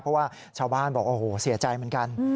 เพราะว่าชาวบ้านบอกโอ้โหเสียใจเหมือนกัน